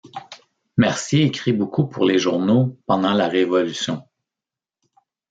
Mercier écrit beaucoup pour les journaux pendant la Révolution.